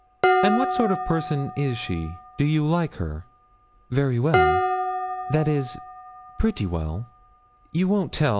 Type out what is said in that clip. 'And what sort of person is she do you like her?' 'Very well that is, pretty well. You won't tell?